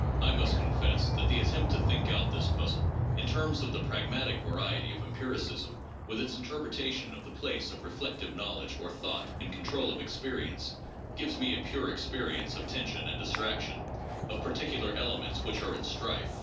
I must con fess that the attempt to think out this puzzle in terms of the " pragmatic variety of empiricism with its interpretation of the place of reflective knowledge, or thought, in control of expe rience " gives me a pure experience of tension and distraction, " of particular elements which are in strife."